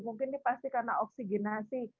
mungkin ini pasti karena oksigenasi